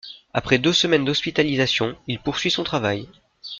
Après deux semaines d'hospitalisation, il poursuit son travail.